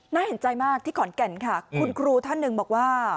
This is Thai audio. น่าเห็นใจมากที่ขอนแก่นค่ะคุณครูท่านหนึ่งบอกว่า